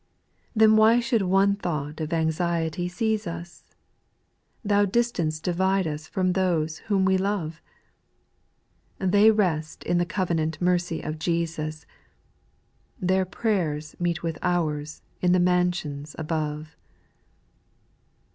4. Then why should one thought of anxiety seize us. Thou distance divide us from those whom we love ? They rest in the covenant mercy of Jesus, Their prayers meet with ours in the mansions above.